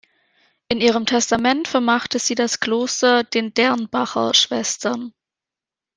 In ihrem Testament vermachte sie das Kloster den Dernbacher Schwestern.